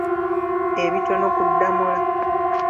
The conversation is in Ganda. Ebitono ku Ddamula.